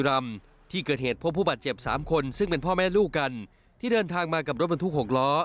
รำที่เกิดเหตุพบผู้บาดเจ็บสามคนซึ่งเป็นพ่อแม่ลูกกันที่เดินทางมากับรถบรรทุก๖ล้อ